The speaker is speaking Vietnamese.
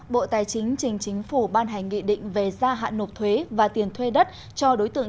bộ tài chính trình chính phủ ban hành nghị định về gia hạn nộp thuế và tiền thuê đất cho đối tượng